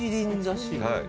はい。